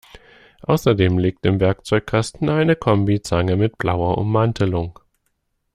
Außerdem liegt im Werkzeugkasten eine Kombizange mit blauer Ummantelung.